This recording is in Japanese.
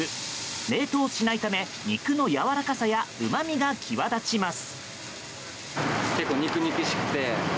冷凍しないため肉のやわらかさや旨味が際立ちます。